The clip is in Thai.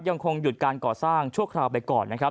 ยังคงหยุดการก่อสร้างชั่วคราวไปก่อนนะครับ